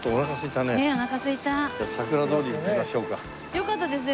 よかったですね